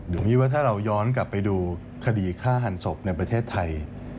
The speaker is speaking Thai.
อย่างนี้ว่าถ้าเราย้อนกลับไปดูคดีฆ่าหันศพในประเทศไทย